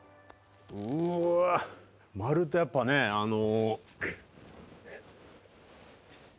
うわ丸太やっぱねあの。